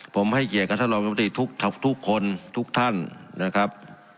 ผมให้เกียรติกับท่านรองรัฐมนตรีทุกคนทุกท่านนะครับ